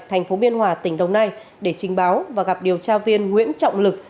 thành phố biên hòa tỉnh đồng nai để trình báo và gặp điều tra viên nguyễn trọng lực